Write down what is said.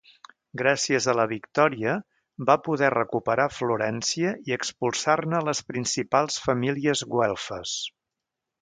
Gràcies a la victòria va poder recuperar Florència i expulsar-ne les principals famílies güelfes.